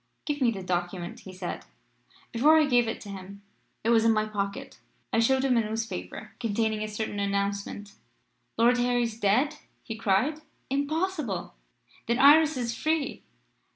"'Give me the document,' he said. "Before I gave it to him it was in my pocket I showed him a newspaper containing a certain announcement. "'Lord Harry dead?' he cried. 'Impossible! Then Iris is free.'